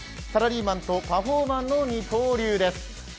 サラリーマンとパフォーマーの二刀流です。